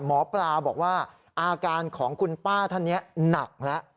หมอปลาบอกว่าอาการของคุณป้าท่านนี้หนักแล้ว